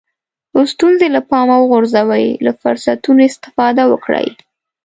ستونزې له پامه وغورځوئ له فرصتونو استفاده وکړئ.